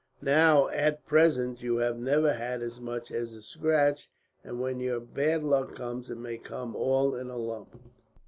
Now at present you have never had as much as a scratch, and when your bad luck comes, it may come all in a lump."